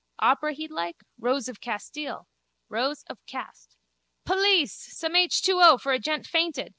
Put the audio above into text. Opera he'd like? Rose of Castile. Rows of cast. Police! Some H2O for a gent fainted.